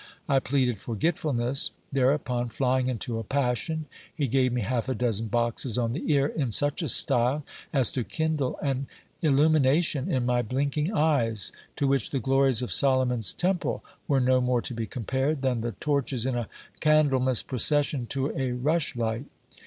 I pleaded forgetfulness. Thereupon, flying into a passion, he gave me half a dozen boxes on the ear, in such a style, as to kindle an illu mination in my blinking eyes, to which the glories of Solomon's temple were no more to be compared, than the torches in a Candlemas procession to a rush light.